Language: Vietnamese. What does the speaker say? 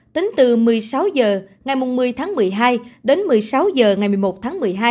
tính từ một mươi sáu h ngày một mươi tháng một mươi hai đến một mươi sáu h ngày một mươi một tháng một mươi hai